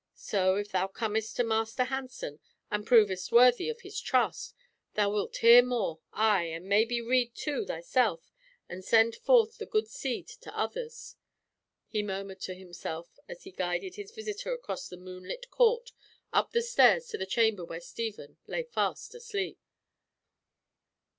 So, if thou comest to Master Hansen, and provest worthy of his trust, thou wilt hear more, ay, and maybe read too thyself, and send forth the good seed to others," he murmured to himself, as he guided his visitor across the moonlit court up the stairs to the chamber where Stephen lay fast asleep.